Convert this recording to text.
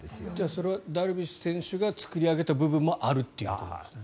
それはダルビッシュ選手が作り上げた部分もあるということなんですね。